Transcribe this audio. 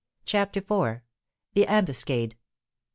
CHAPTER IV. THE AMBUSCADE.